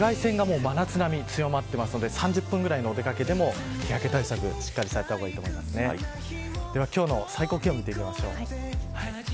それから紫外線が真夏並みに強まっているので３０分ぐらいのお出掛けでも日焼け対策を、しっかりされた方がいいと思いますでは、今日の最高気温です。